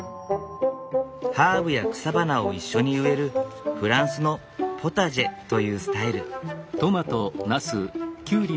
ハーブや草花を一緒に植えるフランスのポタジェというスタイル。